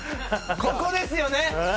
ここですよね！